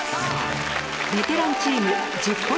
ベテランチーム１０ポイント